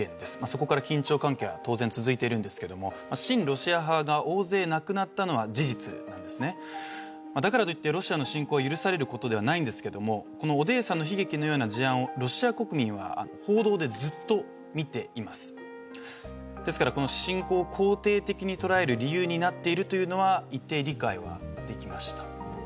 そこから緊張関係は当然続いているんですけども親ロシア派が大勢亡くなったのは事実なんですねだからといってロシアの侵攻は許されることではないんですけどこのオデーサの悲劇のような事案をロシア国民は報道でずっと見ていますですからこの侵攻を肯定的に捉える理由になっているというのは一定理解はできました